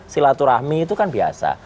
silaturahmi itu kan biasa